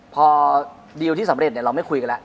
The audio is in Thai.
พอดีลที่สำเร็จเราไม่คุยกันแล้ว